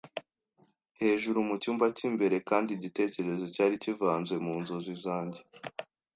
hejuru mucyumba cy'imbere, kandi igitekerezo cyari kivanze mu nzozi zanjye